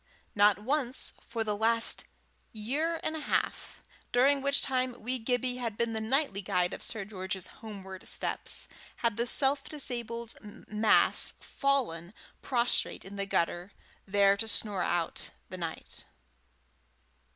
Not once, for the last year and a half, during which time wee Gibbie had been the nightly guide of Sir George's homeward steps, had the self disabled mass fallen prostrate in the gutter, there to snore out the night.